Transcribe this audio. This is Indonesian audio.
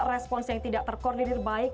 respons yang tidak terkoordinir baik